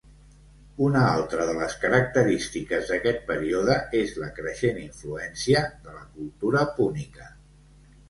Una altra de les característiques d'aquest període és la creixent influència de la cultura púnica.